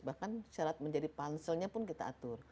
bahkan syarat menjadi panselnya pun kita atur